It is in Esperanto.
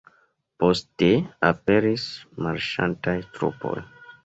Poste aperis marŝantaj trupoj.